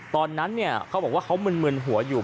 ตอนนั้นเขาบอกว่าเขามึนหัวอยู่